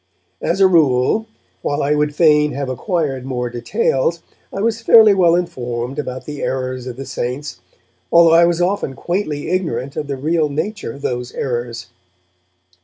As a rule, while I would fain have acquired more details, I was fairly well informed about the errors of the Saints, although I was often quaintly ignorant of the real nature of those errors.